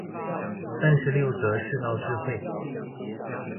三十六則世道智慧